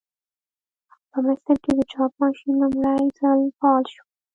په مصر کې د چاپ ماشین لومړي ځل فعال شو.